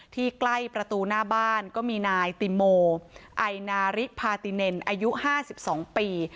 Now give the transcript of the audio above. ที่ใกล้ประตูหน้าบ้านก็มีนายติโมไอนาริพาติเน็นอายุห้าสิบสองปี